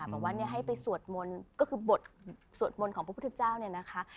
บอกว่าให้ไปสวดมนต์ก็คือบทสวดมนต์ของพระพุทธเจ้าเนี่ยนะคะ